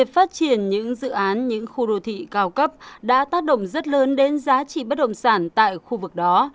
phát triển những dự án những khu đô thị cao cấp đã tác động rất lớn đến giá trị bất động sản tại khu vực đó